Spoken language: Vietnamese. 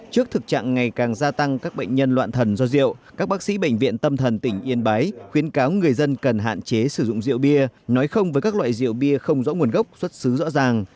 trước thực trạng ngày càng gia tăng các bệnh nhân loạn thần do rượu các bác sĩ bệnh viện tâm thần tỉnh yên bái khuyến cáo người dân cần hạn chế sử dụng rượu bia nói không với các loại rượu bia không rõ nguồn gốc xuất xứ rõ ràng